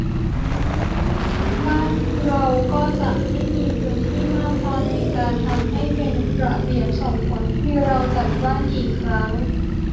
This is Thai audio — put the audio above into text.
บ้านเราก็จะไม่มีพื้นที่มากพอในการทำให้เป็นระเบียบ ส่งผลให้เราจัดบ้านกี่ครั้ง